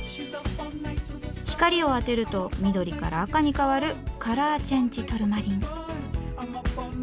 光を当てると緑から赤に変わるカラーチェンジトルマリン。